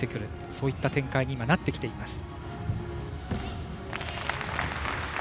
そういった展開になってきています。